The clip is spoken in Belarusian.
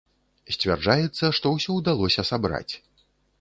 Сцвярджаецца, што ўсё ўдалося сабраць.